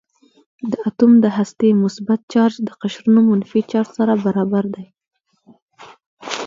د اتوم د هستې مثبت چارج د قشرونو منفي چارج سره برابر دی.